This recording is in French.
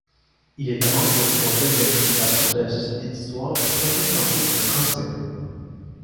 Il était membre du conseil d'administration de la société d'histoire du protestantisme français.